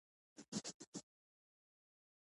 تر څو چې مقابل لوری کمزوری نشي.